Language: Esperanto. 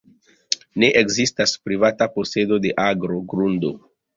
Ne ekzistas privata posedo de agro, grundo.